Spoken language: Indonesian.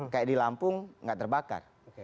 kayak di lampung nggak terbakar